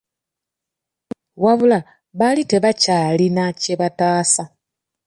Wabula, baali tebakyalina kye bataasa!